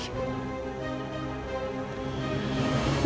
dia sangat mencintai anin